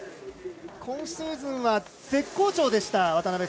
今シーズンは絶好調でした。